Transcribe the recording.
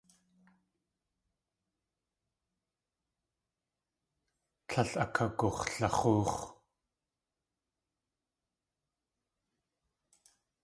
Tlél akagux̲lax̲óox̲.